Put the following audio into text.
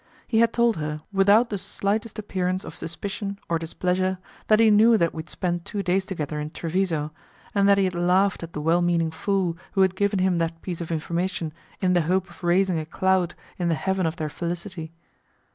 He had told her, without the slightest appearance of suspicion of displeasure, that he knew that we had spent two days together in Treviso, and that he had laughed at the well meaning fool who had given him that piece of information in the hope of raising a cloud in the heaven of their felicity.